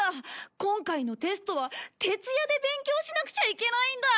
今回のテストは徹夜で勉強しなくちゃいけないんだ！